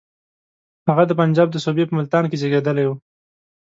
هغه د پنجاب د صوبې په ملتان کې زېږېدلی وو.